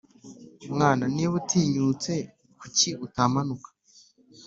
mwana niba utinyutse kuki utamanuka